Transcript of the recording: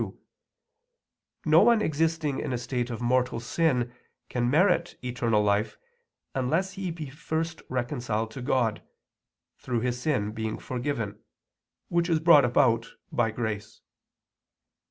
2), no one existing in a state of mortal sin can merit eternal life unless first he be reconciled to God, through his sin being forgiven, which is brought about by grace.